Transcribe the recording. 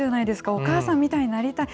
お母さんみたいになりたい。